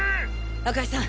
赤井さん！